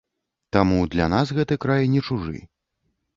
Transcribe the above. Таму для нас гэты край не чужы.